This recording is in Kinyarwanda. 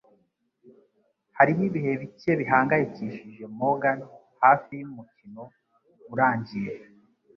Hariho ibihe bike bihangayikishije Morgan hafi yumukino urangiye